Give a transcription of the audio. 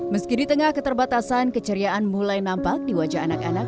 meski di tengah keterbatasan keceriaan mulai nampak di wajah anak anak